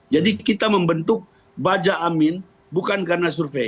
jadi kita membentuk baja amin bukan karena survei